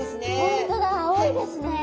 本当だ青いですね。